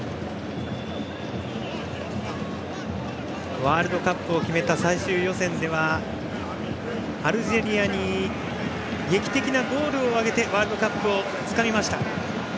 ワールドカップを決めた最終予選ではアルジェリアに対し劇的なゴールを挙げてワールドカップをつかみました。